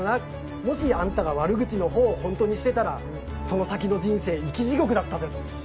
「もしアンタが悪口のほうをホントにしてたらその先の人生生き地獄だったぜ」と。